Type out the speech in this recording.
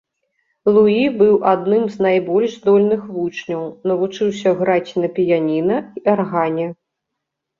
Луі быў адным з найбольш здольных вучняў, навучыўся граць на піяніна і аргане.